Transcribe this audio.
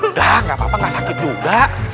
udah gak apa apa nggak sakit juga